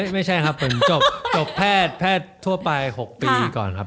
ไม่ใช่ครับผมจบแพทย์แพทย์ทั่วไป๖ปีก่อนครับ